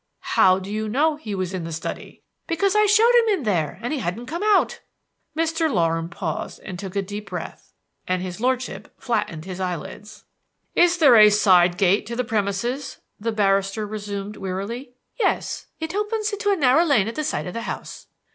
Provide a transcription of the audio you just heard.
"How do you know he was in the study?" "Because I showed him in there and he hadn't come out." Mr. Loram paused and took a deep breath, and his lordship flattened his eyelids. "Is there a side gate to the premises?" the barrister resumed wearily. "Yes. It opens into a narrow lane at the side of the house."